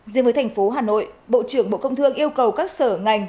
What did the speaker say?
riêng với tp hà nội bộ trưởng bộ công thương yêu cầu các sở ngành